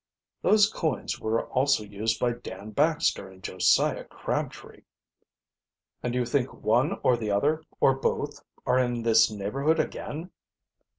"Those coins were also used by Dan Baxter and Josiah Crabtree." "And you think one or the other, or both, are in this neighborhood again?"